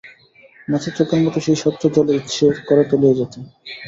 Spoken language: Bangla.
মাছের চোখের মতো সেই স্বচ্ছ জলে ইচ্ছে করে তলিয়ে যেতে।